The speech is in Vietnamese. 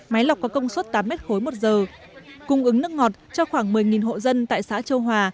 máy lọc có công suất tám m ba một giờ cung ứng nước ngọt cho khoảng một mươi hộ dân tại xã châu hòa